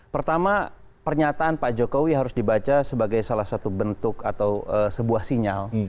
pertama pernyataan pak jokowi harus dibaca sebagai salah satu bentuk atau sebuah sinyal